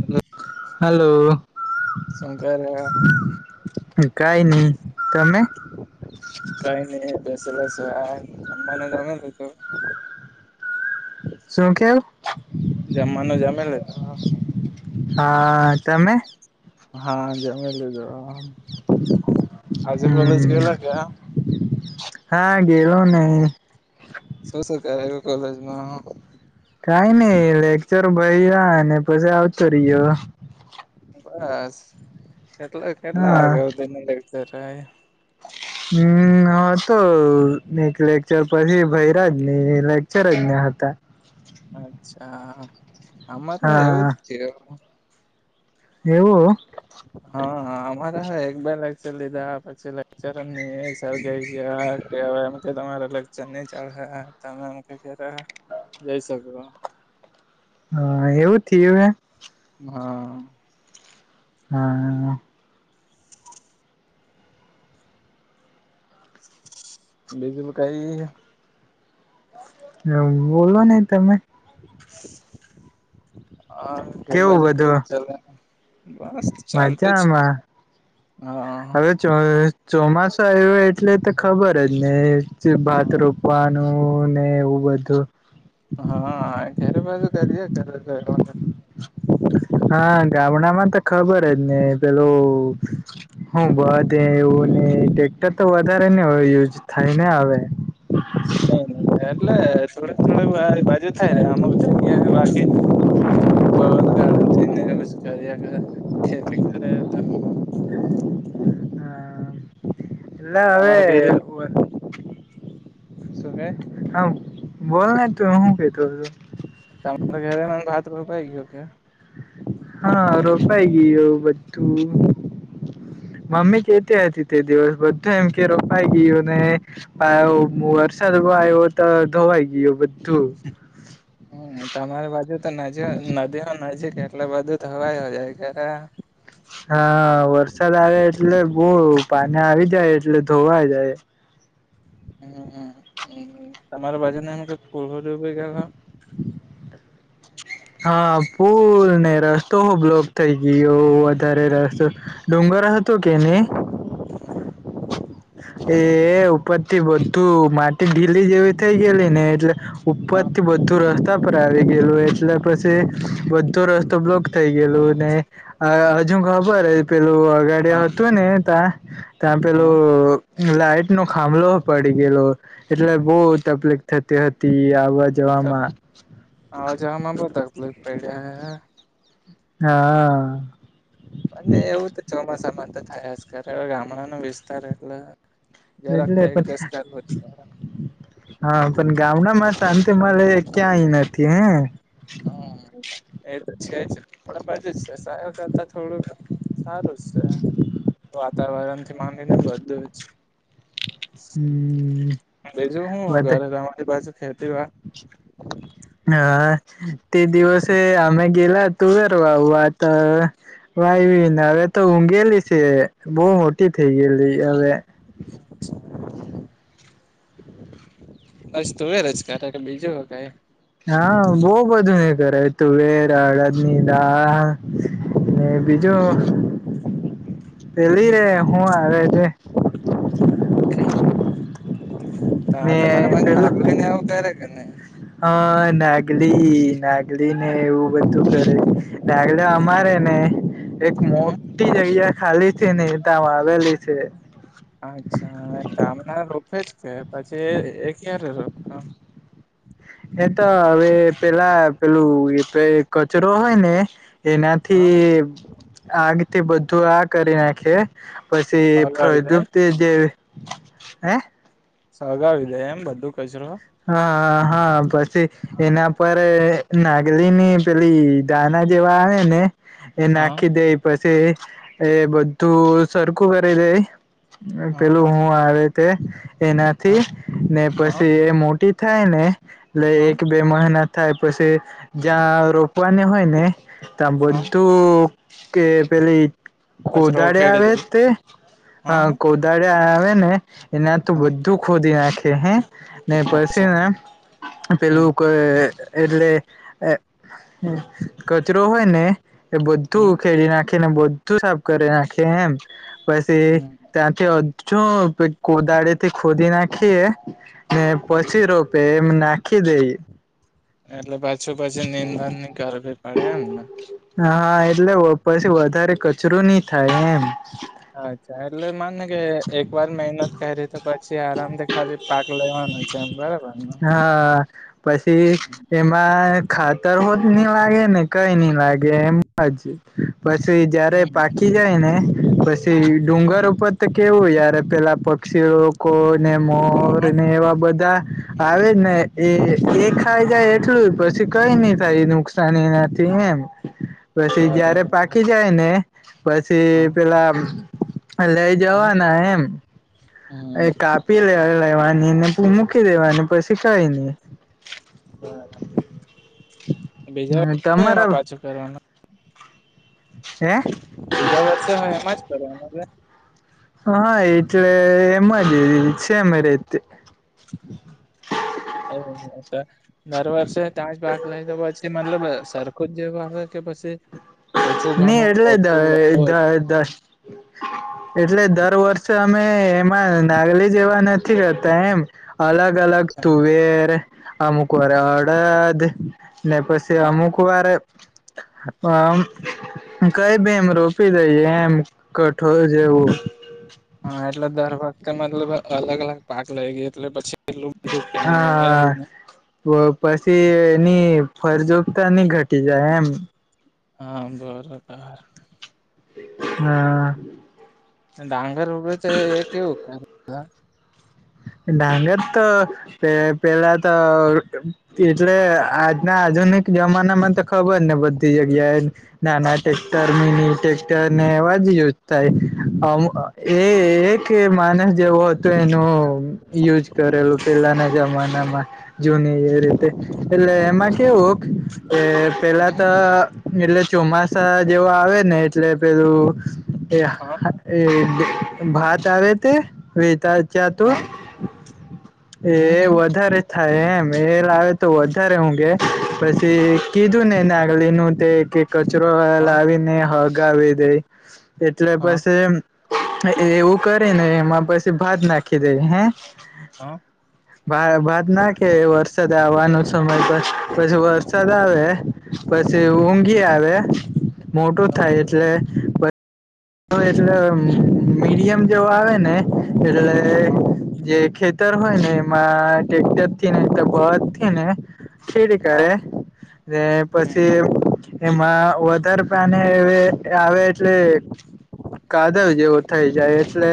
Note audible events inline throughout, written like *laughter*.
Hello hello શું કરે *inaudible* કઈ નહી તમે *inaudible* કઈ *unintelligible* શું કેવું જમવાનું જમી લીધુ હા, તમે? હા જમીલીધુ હો હમ ગયેલા કે હા *unintelligible* ને શું શું કરાવ્યું કોલેજમાં? કઈ નઈ લેક્ચર ભર્યા અને પછી આવતો રહ્યો બસ. કેટલા કેટલા હા વાગયા હુધી ને લેક્ચર છે? *inaudible* હમ તો હતું એક લેક્ચર પછી ભર્યા જ નહી લેકચર જ ના હતા અચ્છા અમાર પણ એવું હા જ થયું એવું હા અમારે હે એક બે લેક્ચર લીધા પછી લેક્ચર જ નહી સર ગયા કે હવે એમ કે તમારા લેકચર નહી ચલહે તમે એમકે ઘેર જઈ શકશો હા એવું થયું હે હા હા બીજુ કઈ? હ બોલો ની તમે હા ઘર કેવું બાજુ બધું કેવુંક ચાલે? ચાલતો છે મજામાં હા ચોમાસો આવ્યો એટલે તો ખબર જ નઈ *unintelligible* વાનું ને એવું બધું હા ઘેર *unintelligible* તો હા ગામડામાં તો ખબર જ નઈ પેલું હું બળદ એવું નહી ટ્રેક્ટર તો વધારે ને હોય યુઝ થઈને આવે નહી ન ન એટલે થોડી થોડી બાજુ થાય આમ *unintelligible* બાકી બળદ ગાડા ને એવુ બસ ચાલ્યા કરે ખેતી કરે તો *inaudible* એલા હવે તમારા ઘરે શું કે આમ બોલ ને તું હું કેતો હતો? તમારે *unintelligible* ગયો છે હા રોપાઈ ગીયો એ બધું. મમ્મી કેતી હતી તે દિવસ બધા એમ કે રોપાઈ ગયો ને આવો વરસાદ આવો તો ધોવાઈ ગયો બધ હમ્મ તમારી બાજુ તો નદી નદી હૌ નજીક એટલે બધું થવાય હોજાય કે કા હા વરસાદ આવે એટલે બહુ પાની આવી જાય એટલે ધોવાય જાય. હમ્મ હમ્મ એવું. તમારા બાજુને કે *inaudible* હા પૂલને રસતો હો બલો્ક થઈ ગયો વધારે રસ્તો ડુંગર હતો કે ની એ ઉપર થી બધું માટી ઢીલી જેવી થઈ ગયેલી ને એટલે હા ઉત્પત્તિ બધું રસ્ રસ્તા પર આવી ગયેલું એટલે પછી બધો રસ્તો બ્લોક થઈ ગયેલું, ને આ હવે જુ ખબર હ પેલું હા અગાડિયા હતું ને ત્યાં ત્યાં હા પેલું લાઈટ નો ખાંભલો પડી ગયેલો એટલે બહુ તકલીફ થતી હતી. આવ્ વવા જવામાં. આવા જવામાં બો તકલીફ પડી અને હા. અને એવું તો ચોમાસામાં તો થાય જ કરે ગામડાનો વિસ્તાર એટલે જરાક તો એટલે એકજૅસ પણ કરવો જ પડે. હા પણ ગામડામાં શાંતિ મલે એ ક્યાંય નથી હે. હમ્મ એ તો છે જ આ બાજુ સ શહેર બધું કરતા થોડુંક સારું છે વાતાવરણ થી માંગને બધું જ. હમ્મ. બીજું હું ઘરે તમારી પાછુ ખેતી વા હા તે દિવસે આમે ગેલા તુવેર વાવવા ત વાઈવી ને હવે તો ઊંઘેલી છે બહુ મોટી થઈ ગયેલી હવે. *unintelligible* બસ તુવેર જ કરે કે બીજું હો કય? હા બો બધું નઈ કરે તુંવેર અળદ ની દાળ ને બીજું પેલી રે હું આવે તે. હા ને તમારા પાસે નાગલી ને આવું કરે કે ની હા નાગલી નાગલી ને એવું બધું કરે ડાગલે અમારે ને એક મો હમ ટી જગ્યા ખાલી છે ને, તા વાવેલી છે. અચ્છા એ તામણા રોપે જ કે પછી એ ક્યારે રોપ હા એ તો હવે પેલા પેલું એતો એ કચરો હોય ને એનાથી હા આગ થી બધું આ કરી નાખે. પછી સળગાવી દે પ્રદુપ્તિ જેવી, હે સગાવી દે એમ બધું કચરો? હા હા પછી હા એના પર એ નાગલી ની પેલી દાના જેવા આવે ને એ નાખી દેય પછી એ બધું સરખું કરી દે હા પેલું હા હું આવે તે હા એનાથી હા ને હા પછી એ મોટી થાય ને એટલે હા એક બે મહના થાય પછી જ્યાં રોપવાની હોય ને ત્યાં હા બધું કે પેલી કોદાળી આવે તે હ, હ. દાડીયા આવેને, *unintelligible* બધું ખોદી નાખે હે અચ્છા *unintelligible* હમ પેલું હમ કોઈ એટલે, એ કચરો હોય ને એ બધું હમ ઉખેડી નાખે ને બધું સાફ કરી નાખે એમ. પસી, હમ *unintelligible* જો, કોદળેથી ખોદી નાખીએ ને પછી રોપે એમ નાખી દઈએ એટલે પાછું પછી નિંધનની કરવી પડે એમને? હા, એટલે વ, પછી વધારે કચરો ની થાય એમ અચ્છા, એટલે માનેને કે, એક વાર મહેનત કયરી તો પછી આરામથી ખાલી પાક લેવાનો છે એમ *unintelligible* હા, પછી, હમ એમાં ખાતર હો ની લાગે ને, કઈ ની લાગે એમજ પસી જયારે હમ પાકી જાય ને, પસી હમ ડુંગર ઉપર તો કેવું યાર, પેલા પક્ષી *unintelligible* હા હા મોરને એવા બધા હા આવે જ ને એ, એ ખાઈ જાય એટલું જ, પછી કઈ નઈ થાય નુકસાન એનાથી એમ પછી જ્યારે બરાબર પાકી જાય ને, પછી હા પેલા, લઈ હમ જવાના એમ હમ એ કાપી લે, લેવાનીને પુ મૂકી દેવાની પછી કઈ નઈ હ *unintelligible* *inaudible* તમારા પાછું કરવાનું હે! બીજા વર્ષે હોય એમાં જ *unintelligible* હા એટલે, એમાં જ, છેમ રીતે *unintelligible* દર વર્ષે *unintelligible* પાક લઈ લેવો છ? મતલબ, સરખુ *unintelligible* કે પછ ની એટલે *unintelligible* એટલે દર વર્ષે અમે, એમાં નાગલી જેવા નથી રહેતા એમ અલગ અલગ તુવેર, અમુક વેરા અડદ, ને પછી હા અમુક વારે હ, મ, કઈ ભી એમ રોપી દઈએ એમ કઠોર જેવું. હા, એટલે દર વખતે મતલબ અલગ અલગ પાક લઈ ગય એટલે પછી. એટલું બધું *inaudible* તો પછી એની ફરજુગતા નઇ ઘટી જાય એમ *unintelligible* *unintelligible* ડાંગર ઉભેતો એ કેવું *unintelligible* ડાંગર તો, પે, પેલા તો, એટલે આ ને આધુનિક જમાનામાં તો ખબરછ્ને બધી જગ્યાએ નાના ટેક્ટર નૈનૈ, ટેસ્ટરને એવા જ યુઝ થાય, એ એક માનસ જેવો તો એનો, યુઝ કરેલું પેલાના જમાનામાં જૂની એ રીતે, એટલે એમાં કેવું, કે પેલા હમ તો એટલે ચોમાસા, જેવો આવેને એટલે પેલું, *inaudible* હા ભાત આાવે તે! *unintelligible* ત્યાં તું *inaudible* એ હમ વધારે થાય એમએ લાવે તો વધારે હું ગે પછી કીધુંને એને ગલીનું તે કે કચરો હા લાવીને હગાવી દેય. એટલે હા પશે એમ. એવું કરેને એમાં પછી ભાત નાખી દેય. હે! હ! ભા ભાત નાખે વરસાદ આવવાનો સમય તો પછી વરસાદ આવે. પછી ઊંઘી આવે મોટું થાય એટલે એટલે મીડિયમ જેવો આવે ને એટલે હા જે ખેત ખેતર હોય ને એમાં ટેક્ટર થી *unintelligible* *unintelligible* ખેડી હા કાઢે. ને હમ પછી એમાં વધારે પાને વે આવે એટલે *inaudible* કાદવ જેવો થઈ જાય એટલે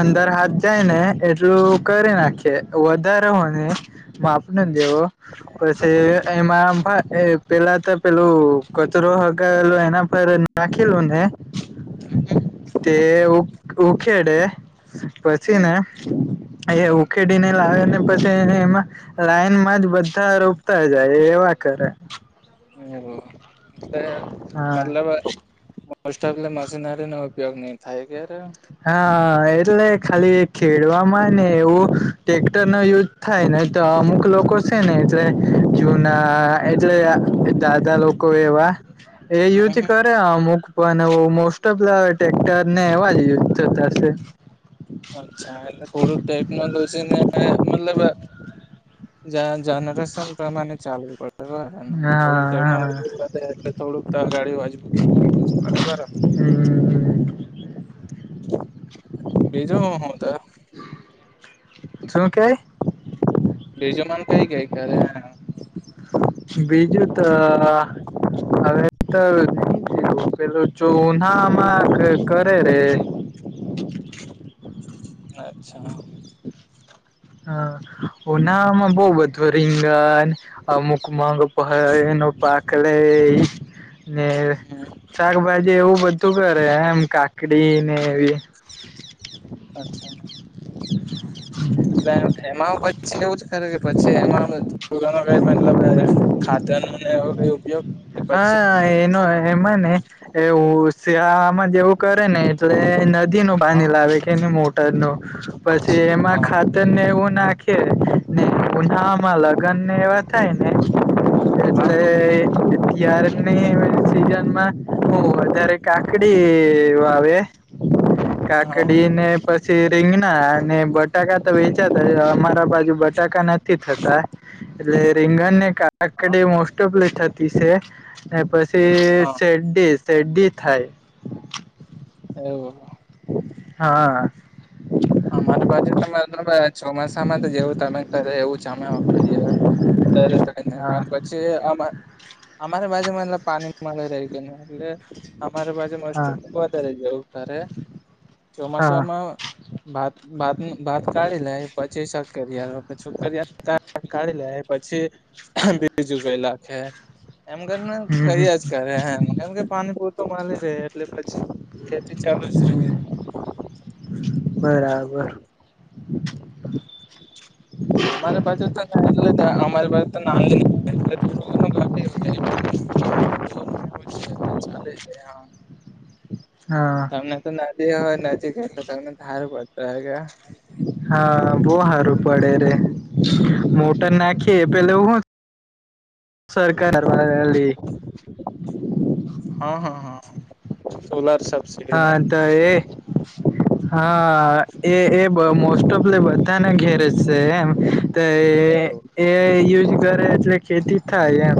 અંદર હાથ જાય ને એટલું કરી હમ નાખીએ વધારે હોય ને માપ ને દેવો. હમ પછી એમાં ભાત એ પેલા તો પેલું કચરો હગાવેલો એના પરજ નાખેલો ને તે ઉખેડે પછી હમ ને એ હમ ઉખેડીને લા ને પછી એમાં લાઈનમાં જ બધા રોપતા જાય એવા કરે. ને એવું એટલે હા મતલબ *unintelligible* એટલે મશીનરી નો ઉપયોગ નઈ થાય ક્યારે હા એટલે ખાલી ખેડવામાં ને એવું ટેક્ટર નો યુઝ થાય ને તો અમુક લોકો છે ને એટલે જુના એટલે દાદા લો કો એવા એ યુજ કરે અમુક. પણ મોસ્ટ ઓફ ધ ટેક્ટર ને એવા જ યુઝ થતા હશે. અચ્છા એટલે થોડુંક ટેકનોલોજી ને મતલબ જન જનરેશન પ્રમાણે ચાલવુ પડે. થોડી હા હા ટેકનોલોજી પણ લે થોડુંક *unintelligible* *unintelligible* બરાબર. *inaudible* હમ બીજું હુ હું તે. શું કેય? બીજું મન કઈ કઈ કરે *unintelligible* બીજું તો હવે તો પેલું ચૂના માગ કરે રે. અચ્છા. હ, ઉનામાં બહુ બધું રીંગણ અમુક મગ *unintelligible* એનો પાક લેય. ને હમ શાકભાજી એવું બધું કરે એમ કાકડી ને એવી અચ્છા. એટલે એમાં પછી એવું જ ખરે કે પછી એમાં *unintelligible* *unintelligible* ખાતરને એવો કઈ ઉપયોગ પછી હા એનો એમાં ને એવું શિયાળામાં જેવું કરે ને એટલે નદીનુ હા પાણી લાવે કે ની મોટર નુ. પછી અચ્છા એમાં હા ખાતર ને એવું નાખે ને ઉનાળમાં લગન ને એવા થાય ને એટલે ત્યારે ની સીજન વધારે *inaudible* કાકડી વાવે *unintelligible* કાકડી હા ને પછી રીંગણા અને બટાકા તો વેચાતા અમારા બાજુ બટાકા નથી નથી થતા એટલે રીંગણને કા કાકડી મોસ્ટઓફલી થતી છે ને પછી હા સેડી સેડી થાય એવું હા હ મારે બાજુ તો *unintelligible* ચોમાસામાં તો જેવું તમે કરે એવું *unintelligible* *unintelligible* *unintelligible* *unintelligible* હા જે અમારા અમારા બાજુમાં પાણી મળે રહી *unintelligible* એટલે અમારે બાજુ *unintelligible* હા વધારે જવું ઘરે હા ચોમાસામાં ભાત બાત ભાત કાઢી લે પછી શક્કરિયા રોપે *unintelligible* કાઢી લે પછી બીજુ ગઈ લાખે એમ કરીને હમ હમ કર્યા જ કરે એમ કેમ કે પાણી પુરતો મલી રહેે એટલે પછી એથી ચાલુ રહે બરાબર *inaudible* અમારા બાજુ તો એટલે અમારી પાસે તો ના આવે એટલે *inaudible* *unintelligible* ચાલે છે હા તમને તો નદી હોય નજીક એટલે તમને હારું પડતું હોય કા હા બહું સારું પડે રે મોટર નાખીએ પેલે હું સરકાર *unintelligible* લી હા હા હા સોલાર સબસીડી ને હા તો એ હા એ એ મોસ્ટ ઓફલી બધાને ઘેરે છે એમ તો એવું એય યુઝ કરે એટલે ખેતી થાય એમ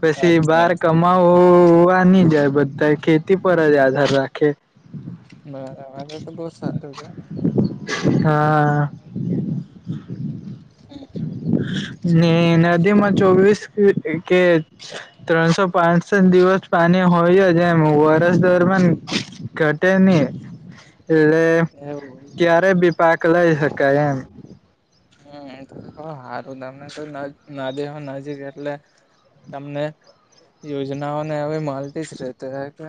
પછી અચ્છા બાર અચ્છા કમાવા ની જાય બધા ખેતી પર જ આધાર રાખે મારા મારે તો બહુ સારું રે હા ને નદીમાં ચોવીસ કે ત્રણસો પાસઠ દિવસ પાણી હોય જ એમ વરસ દરમિયાન *inaudible* ઘટે ની એટલે એવું ક્યારે બી પાક લઈ હકાય એમ હમ તો તો બઉ હારું તમને કઉ નદી હોય નજીક એટલે તમને યોજનાઓને હવે મળતી જ રેતી હે કે